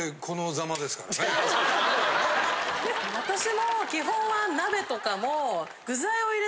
私も基本は鍋とかも。